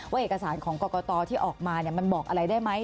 เอกสารของกรกตที่ออกมามันบอกอะไรได้ไหม